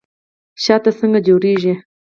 شات څنګه جوړیږي؟